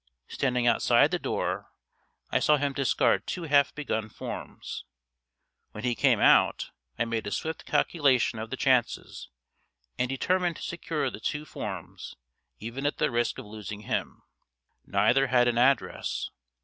Standing outside the door, I saw him discard two half begun forms. When he came out I made a swift calculation of the chances, and determined to secure the two forms, even at the risk of losing him. Neither had an address.